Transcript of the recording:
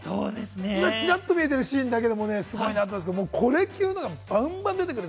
今ちらっと見えてるシーンだけでもすごいですけれども、これ級のがバンバン出てくる。